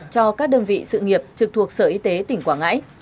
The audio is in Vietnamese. cho các đơn vị sự nghiệp trực thuộc sở y tế tỉnh quảng ngãi